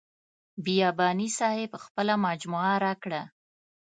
بیاباني صاحب خپله مجموعه راکړه.